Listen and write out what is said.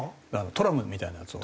トラムみたいなやつを。